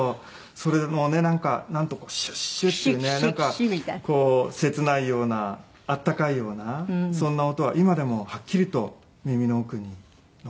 それもねなんかシュッシュッていうねなんかこう切ないような温かいようなそんな音は今でもはっきりと耳の奥に残ってます。